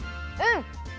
うん。